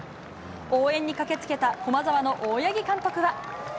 応援に駆けつけた駒澤大学の大八木監督は。